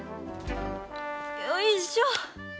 よいしょ。